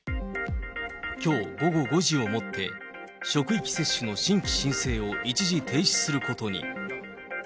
きょう午後５時をもって、職域接種の新規申請を一時停止することに。